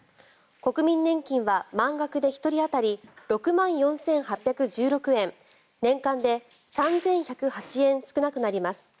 国民年金は満額で１人当たり６万４８１６円年間で３１０８円少なくなります。